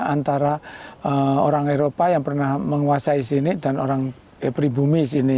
antara orang eropa yang pernah menguasai sini dan orang pribumi sini